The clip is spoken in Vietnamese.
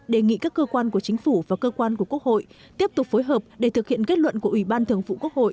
đề nghị các cơ quan của chính phủ và cơ quan của quốc hội tiếp tục phối hợp để thực hiện kết luận của ủy ban thường vụ quốc hội